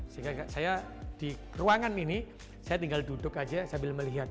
sehingga saya di ruangan ini saya tinggal duduk aja sambil melihat